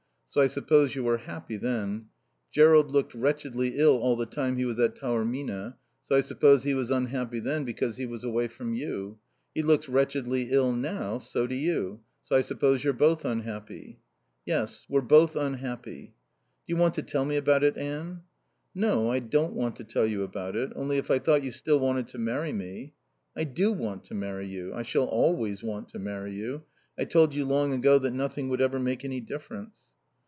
So I suppose you were happy then. Jerrold looked wretchedly ill all the time he was at Taormina. So I suppose he was unhappy then because he was away from you. He looks wretchedly ill now. So do you. So I suppose you're both unhappy." "Yes, we're both unhappy." "Do you want to tell me about it, Anne?" "No. I don't want to tell you about it. Only, if I thought you still wanted to marry me " "I do want to marry you. I shall always want to marry you. I told you long ago nothing would ever make any difference.